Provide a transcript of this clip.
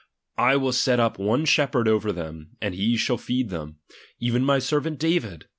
23 25) : I will set up one shepherd over them, and he shall feed them ; even my servant David.